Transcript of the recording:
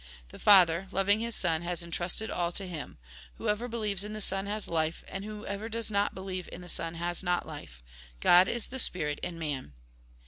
The Father, loving His Son, has entrusted all to him. Whoever believes in the Son has life, and whoever does not believe in the Son has not life. God is the spirit in man."